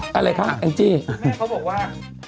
อ้าวอะไรครับเอ็นจี้แม่เขาบอกว่า